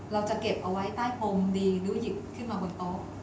เราจะเก็บเอาไว้ใต้ปมดีหรือหยิบขึ้นมาบนโต๊ะ